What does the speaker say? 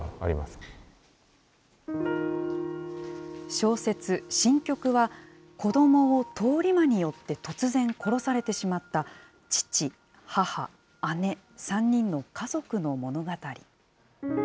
小説、神曲は、子どもを通り魔によって突然殺されてしまった父、母、姉の３人の家族の物語。